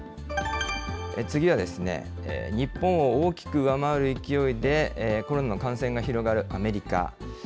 次は、日本を大きく上回る勢いでコロナの感染が広がるアメリカ。